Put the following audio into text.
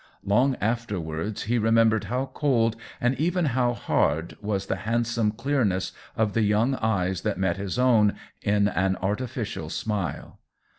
Long afterwards he remembered how cold, and even how hard, was the handsome clearness of the young eyes that met his own in an artificial smile.